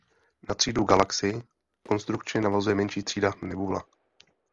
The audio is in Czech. Na třídu "Galaxy" konstrukčně navazuje menší třída "Nebula".